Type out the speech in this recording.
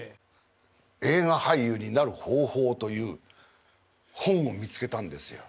「映画俳優になる方法」という本を見つけたんですよ。